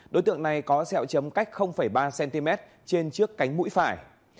đối tượng này có xeo chấm cách ba cm trên trước cánh mũi phải